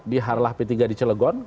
di harlah p tiga di cilegon